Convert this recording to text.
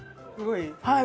はい。